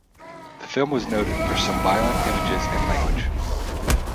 The film was noted for "some violent images and language".